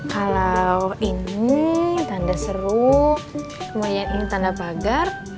kalau ini tanda seru kemudian ini tanda pagar